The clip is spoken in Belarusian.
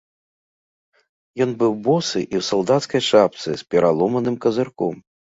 Ён быў босы і ў салдацкай шапцы з пераломаным казырком.